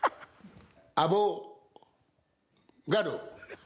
アボガド！